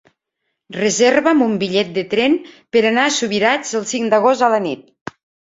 Reserva'm un bitllet de tren per anar a Subirats el cinc d'agost a la nit.